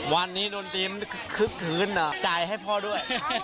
วันนี้ดนตรีมันคลึกจ่ายให้พ่อด้วย